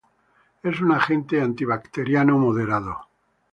Es un agente antibacteriano moderado.